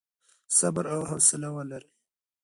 صبر او حوصله ولرئ.